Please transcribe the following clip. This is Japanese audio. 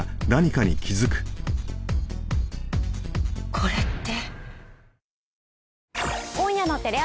これって。